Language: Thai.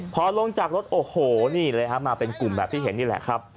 พอลงจากรถโอ้โหนี่เลยฮะมาเป็นกลุ่มแบบที่เห็นนี่แหละครับ